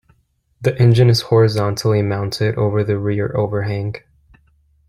The engine is horizontally mounted over the rear overhang.